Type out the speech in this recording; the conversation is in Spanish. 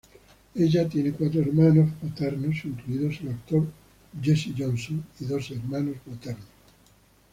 Ella tiene cuatro hermanos paternos, incluido el actor Jesse Johnson, y dos hermanos maternos.